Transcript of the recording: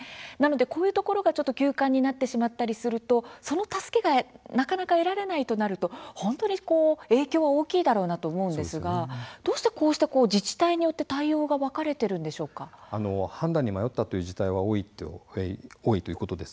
こういったところが休館になってしまったりするとその助けがなかなか得られないとなると本当に影響は大きいだろうなと思うんですがどうして自治体によって判断に迷ったという自治体が多いということです。